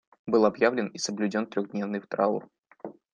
Был объявлен и соблюден трехдневный траур.